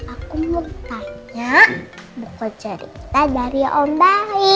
aku mau tanya buku cerita dari om bahi